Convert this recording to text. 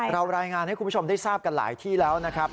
รายงานให้คุณผู้ชมได้ทราบกันหลายที่แล้วนะครับ